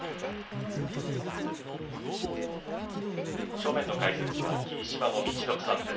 正面の解説は霧島の陸奥さんです。